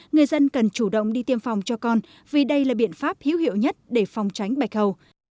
người dân cần chủ động đi tiêm phòng cho con vì đây là biện pháp hiếu hiệu nhất để phòng tránh bạch hầu